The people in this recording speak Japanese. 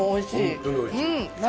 本当においしい。